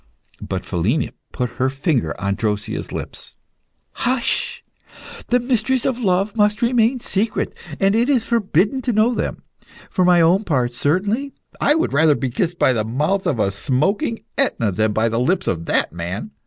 But Philina put her finger on Drosea's lips. "Hush! the mysteries of love must remain secret, and it is forbidden to know them. For my own part, certainly, I would rather be kissed by the mouth of smoking Etna than by the lips of that man.